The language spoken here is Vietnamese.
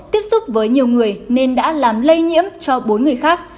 tiếp xúc với nhiều người nên đã làm lây nhiễm cho bốn người khác